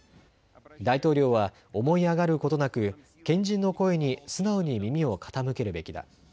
大統領は思い上がることなく賢人の声に素直に耳を傾けるべきだ。